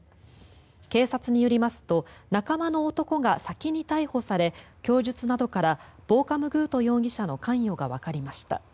警察によりますと仲間の男が先に逮捕され供述などからボーカムグート容疑者の関与がわかりました。